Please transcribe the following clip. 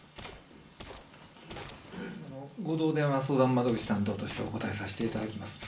合同電話相談窓口担当としてお答えさせていただきます。